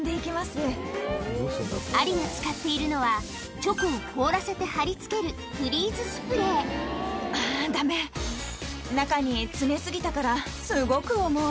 アリが使っているのはチョコを凍らせて張り付けるあぁダメ中に詰め過ぎたからすごく重い。